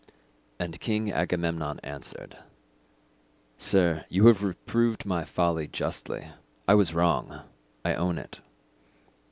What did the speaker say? And King Agamemnon answered, "Sir, you have reproved my folly justly. I was wrong. I own it.